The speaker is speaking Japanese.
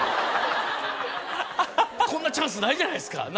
こんなチャンスないじゃないですか